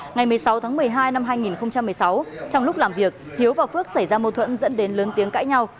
ngày một mươi sáu tháng một mươi hai năm hai nghìn một mươi sáu trong lúc làm việc hiếu và phước xảy ra mâu thuẫn dẫn đến lớn tiếng cãi nhau